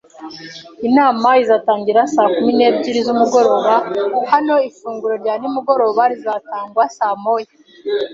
Inama izatangira saa kumi n'ebyiri z'umugoroba naho ifunguro rya nimugoroba rizatangwa saa moya